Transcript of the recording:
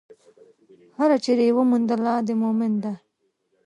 هره چېرې يې چې وموندله، د مؤمن ده.